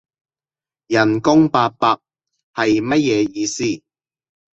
人工八百？係乜嘢意思？